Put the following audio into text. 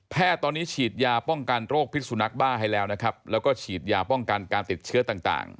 ตอนนี้ฉีดยาป้องกันโรคพิษสุนักบ้าให้แล้วนะครับแล้วก็ฉีดยาป้องกันการติดเชื้อต่าง